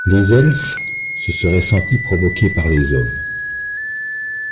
Les Elfes se seraient sentis provoqués par les hommes.